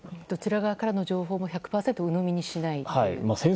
どちら側からの情報も１００％鵜呑みにしないという。